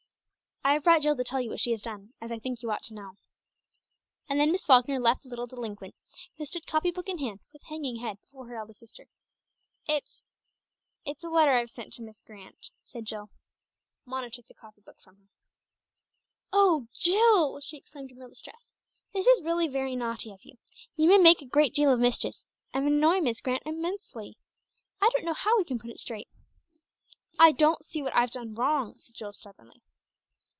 "I have brought Jill to tell you what she has done, as I think you ought to know." And then Miss Falkner left the little delinquent, who stood copy book in hand with hanging head before her eldest sister. "It's it's a letter I've sent to Miss Grant," said Jill. Mona took the copy book from her. "Oh, Jill!" she exclaimed in real distress. "This is really very naughty of you. You may make a great deal of mischief, and annoy Miss Grant extremely. I don't know how we can put it straight." "I don't see what I've done wrong," said Jill stubbornly.